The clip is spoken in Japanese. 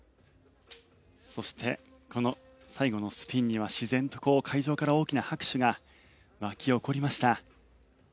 そして最後のスピンには自然と会場から大きな拍手が沸き起こりました。